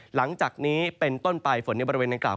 หลังจากนี้เป็นต้นไปฝนในบริเวณดังกล่า